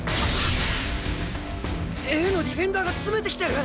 Ａのディフェンダーが詰めてきてる！？